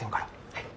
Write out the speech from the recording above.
はい。